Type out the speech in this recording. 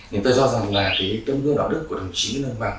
nếu tôi do rằng là tấm gương đạo đức của đồng chí nguyễn lương bằng